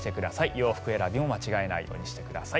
洋服選びも間違えないようにしてください。